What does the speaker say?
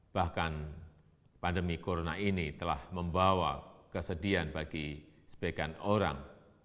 bahkan pandemi corona ini telah membawa kesedihan bagi sebagian orang